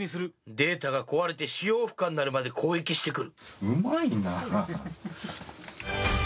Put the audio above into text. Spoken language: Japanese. データが壊れて使用不可になるまで攻撃して来る。